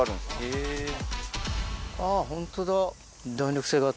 あぁホントだ。